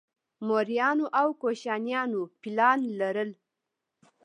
موریانو او کوشانیانو فیلان لرل